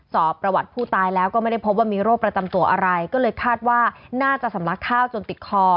สอบประวัติผู้ตายแล้วก็ไม่ได้พบว่ามีโรคประจำตัวอะไรก็เลยคาดว่าน่าจะสำลักข้าวจนติดคอ